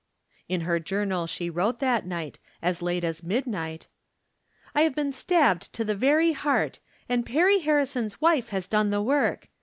In her journal she wrote that night, as late as midnight : I have been stabbed to the very heart, and Perry Harrison's wife has done the work.